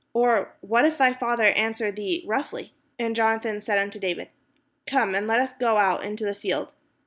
or what if thy father answer thee roughly?" And Jonathan said unto David: "Come, and let us go out into the field."